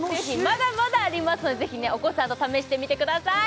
まだまだありますのでぜひねお子さんと試してみてください